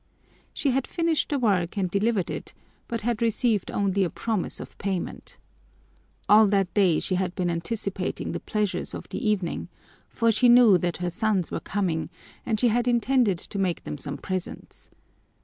She had finished the work and delivered it but had received only a promise of payment. All that day she had been anticipating the pleasures of the evening, for she knew that her sons were coming and she had intended to make them some presents.